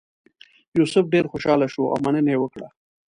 یوسف ډېر خوشاله شو او مننه یې وکړه.